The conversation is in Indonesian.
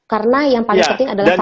karena yang paling penting adalah vaksin